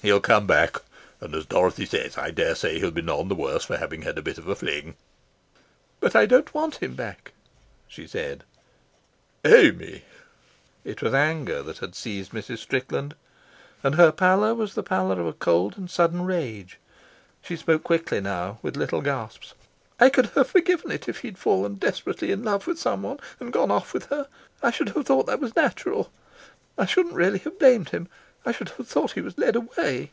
He'll come back, and, as Dorothy says, I dare say he'll be none the worse for having had a bit of a fling." "But I don't want him back," she said. "Amy!" It was anger that had seized Mrs. Strickland, and her pallor was the pallor of a cold and sudden rage. She spoke quickly now, with little gasps. "I could have forgiven it if he'd fallen desperately in love with someone and gone off with her. I should have thought that natural. I shouldn't really have blamed him. I should have thought he was led away.